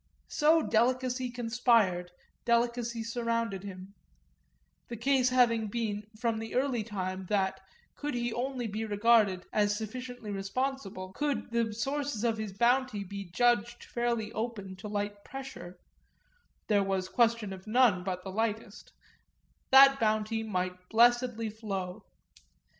So delicacy conspired, delicacy surrounded him; the case having been from the early time that, could he only be regarded as sufficiently responsible, could the sources of his bounty be judged fairly open to light pressure (there was question of none but the lightest) that bounty might blessedly flow.